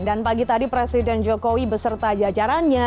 dan pagi tadi presiden jokowi beserta jajarannya